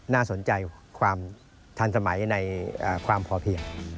น่าสนใจความทันสมัยในความพอเพียง